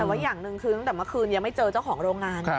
แต่ว่าอย่างหนึ่งคือตั้งแต่เมื่อคืนยังไม่เจอเจ้าของโรงงาน